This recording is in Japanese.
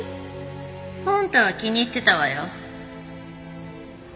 ポンタは気に入ってたわよ。